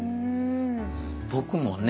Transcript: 僕もね